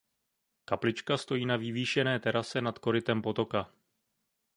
Kaplička stojí na vyvýšené terase nad korytem potoka.